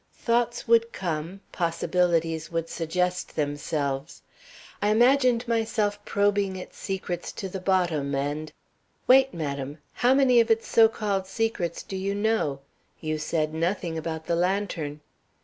Thoughts would come; possibilities would suggest themselves. I imagined myself probing its secrets to the bottom and " "Wait, madam; how many of its so called secrets do you know? You said nothing about the lantern."